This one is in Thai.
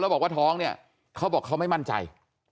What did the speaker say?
บอกว่าท้องเนี่ยเขาบอกเขาไม่มั่นใจ